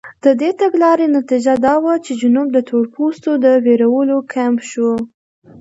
د دې تګلارې نتیجه دا وه چې جنوب د تورپوستو د وېرولو کمپ شو.